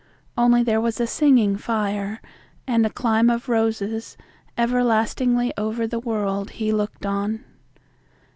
Only there was a singing fire and a climb of roses everlastingly over the world he looked on.